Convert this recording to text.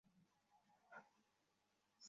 তুমি কি ভাবছ অমূল্য আমাকে বলবে না?